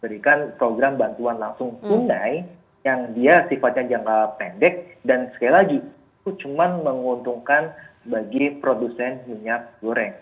jadi ini adalah program bantuan langsung tunai yang dia sifatnya jangka pendek dan sekali lagi itu cuma menguntungkan bagi produsen minyak goreng